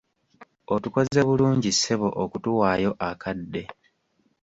Otukoze bulungi ssebo okutuwaayo akadde.